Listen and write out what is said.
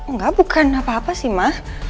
nggak bukan apa apa sih ma